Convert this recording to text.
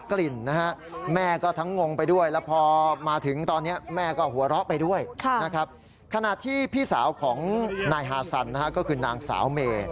ค่ะนะครับขณะที่พี่สาวของนายฮาซันนะครับก็คือนางสาวเม